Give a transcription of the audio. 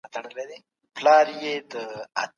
هغه سړی په خپلو کارونو کي ډېر ځیرک او هوښیار او ویښ و.